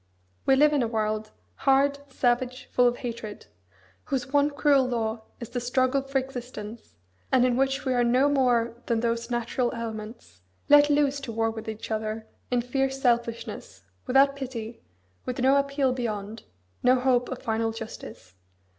We live in a world, hard, savage, full of hatred; whose one cruel law is the struggle for existence, and in which we are no more than those natural elements, let loose to war with each other in fierce selfishness, without pity, with no appeal beyond, no hope of final justice.